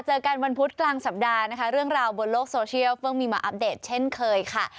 เจอกันวันพุธกลางสัปดาห์นะคะเรื่องราวบนโลกโซเชียลเพิ่งมีมาอัปเดตเช่นเคยค่ะ